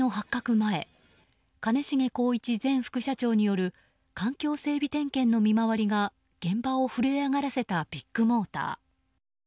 前兼重宏一前副社長による環境整備点検の見回りが現場を震え上がらせたビッグモーター。